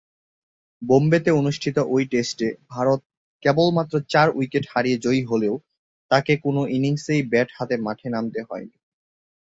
বোম্বেতে অনুষ্ঠিত ঐ টেস্টে ভারত কেবলমাত্র চার উইকেট হারিয়ে জয়ী হলেও তাকে কোন ইনিংসেই ব্যাট হাতে মাঠে নামতে হয়নি।